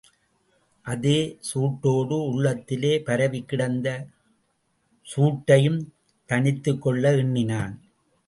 அதே சூட்டோடு, உள்ளத்திலே பரவிக்கிடந்த சூட்டையும் தணித்துக்கொள்ள எண்ணினான்.